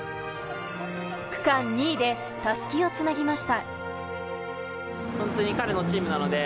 区間２位で襷をつなぎました。